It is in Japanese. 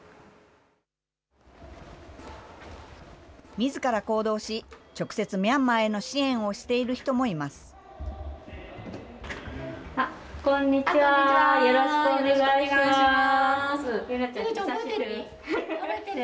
みずから行動し、直接ミャンマーへの支援をしている人もいます。